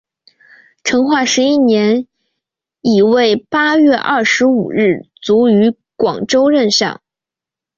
成化十一年乙未八月二十五日卒于广州任上。